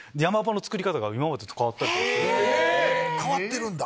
変わってるんだ！